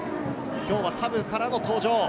今日はサブからの登場。